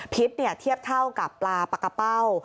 พิษเทียบเท่ากับปลาปากกะเป้า